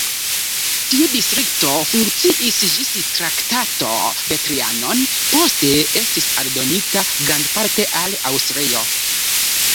Tiu distrikto funkciis ĝis Traktato de Trianon, poste estis aldonita grandparte al Aŭstrio.